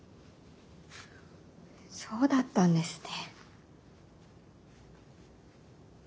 そうだったんですね。